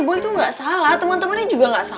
boy itu gak salah temen temennya juga gak salah